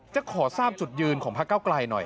จะขอทราบจุดยืนของพระเก้าไกลหน่อย